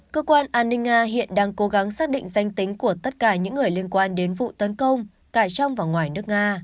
cơ quan an ninh nga hiện đang cố gắng xác định danh tính của tất cả những người liên quan đến vụ tấn công cả trong và ngoài nước nga